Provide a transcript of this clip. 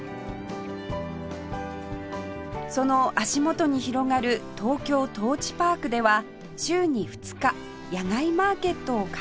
その足元に広がるトウキョウトーチパークでは週に２日野外マーケットを開催